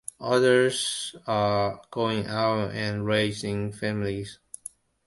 Others are going out and raising families.